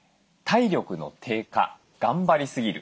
体力の低下・頑張りすぎる。